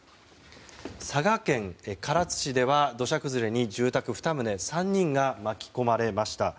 佐賀県唐津市では土砂崩れに住宅２棟３人が巻き込まれました。